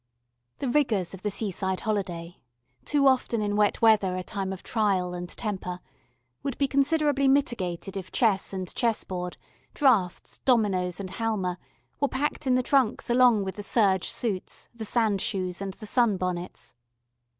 The rigours of the seaside holiday, too often in wet weather a time of trial and temper, would be considerably mitigated if chess and chess board, draughts, dominoes, and halma were packed in the trunks along with the serge suits, the sandshoes, and the sun bonnets.